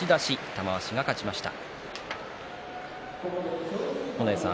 玉鷲が勝ちました。